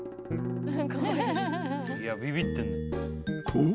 ［おっ。